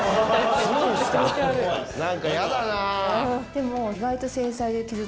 でも。